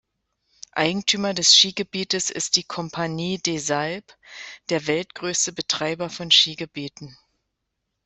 Eigentümer des Skigebietes ist die Compagnie des Alpes, der weltgrößte Betreiber von Skigebieten.